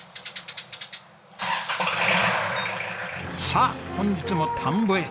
さあ本日も田んぼへ。